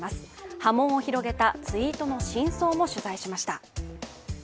波紋を広げたツイートの真相も取材しました。